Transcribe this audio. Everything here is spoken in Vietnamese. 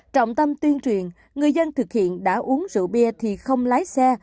trọng tâm tuyên truyền người dân thực hiện đã uống rượu bia thì không lái xe